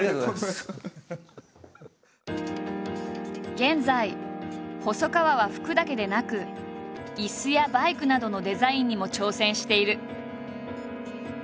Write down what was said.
現在細川は服だけでなく椅子やバイクなどのデザインにも挑戦している。